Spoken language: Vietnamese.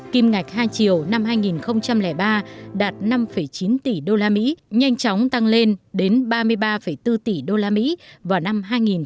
kim ngạch hai triệu năm hai nghìn ba đạt năm chín tỷ usd nhanh chóng tăng lên đến ba mươi ba bốn tỷ usd vào năm hai nghìn một mươi